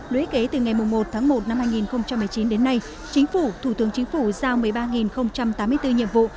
lũy kế từ ngày một tháng một năm hai nghìn một mươi chín đến nay chính phủ thủ tướng chính phủ giao một mươi ba tám mươi bốn nhiệm vụ